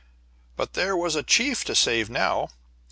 "But there was a chief to save now.